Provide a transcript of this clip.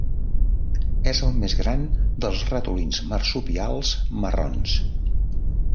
És el més gran dels ratolins marsupials marrons.